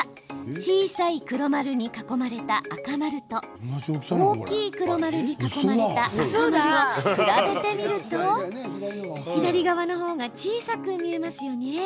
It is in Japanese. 小さい黒丸に囲まれた赤丸と大きい黒丸に囲まれた赤丸を比べてみると左側の方が小さく見えます。